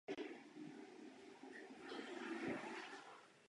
To nejhorší je, doufejme, za námi.